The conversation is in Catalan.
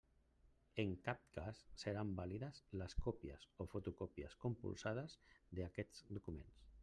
En cap cas seran vàlides les còpies o fotocòpies compulsades d'aquests documents.